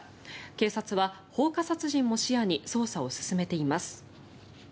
警察は放火殺人も視野に捜査を進めています。